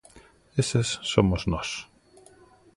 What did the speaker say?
Eses somos nós.